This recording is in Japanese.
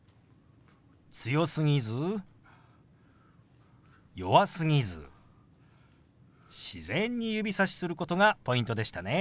強すぎず弱すぎず自然に指さしすることがポイントでしたね。